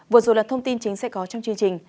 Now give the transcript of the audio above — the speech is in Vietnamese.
vừa rồi là thông tin chính sẽ có trong chương trình